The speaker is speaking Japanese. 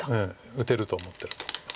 打てると思ってると思います。